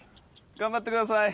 頑張ってください！